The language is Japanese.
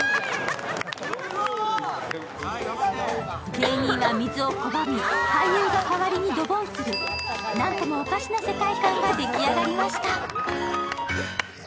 芸人は水を拒み、俳優が代わりにドボンする、なんともおかしな世界観が出来上がりました。